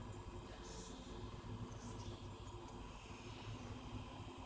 datang sendiri pulang juga sendiri